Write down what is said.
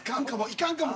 いかんかも。